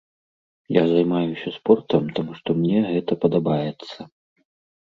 Я займаюся спортам, таму што мне гэта падабаецца.